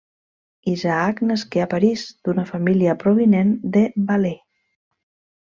Isaac nasqué a París d'una família provinent de Valais.